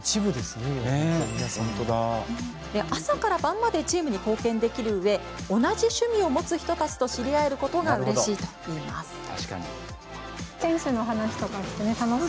朝から晩までチームに貢献できる上同じ趣味を持つ人たちと知り合えることがうれしいといいます。